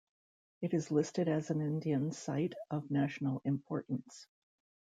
It is listed as an Indian Site of National Importance.